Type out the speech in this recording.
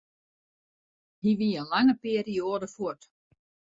Hy wie in lange perioade fuort.